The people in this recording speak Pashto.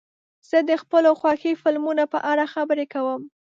زه د خپلو خوښې فلمونو په اړه خبرې کوم.